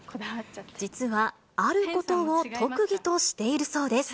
実は、あることを特技としているそうです。